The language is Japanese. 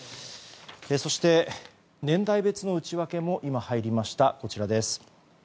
そして、年代別の内訳も今、入りました。